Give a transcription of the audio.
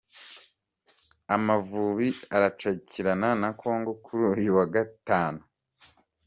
Amavubi aracakirana na congo kuri uyu wa Gatanu